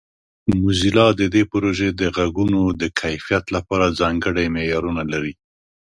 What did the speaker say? موزیلا د دې پروژې د غږونو د کیفیت لپاره ځانګړي معیارونه لري.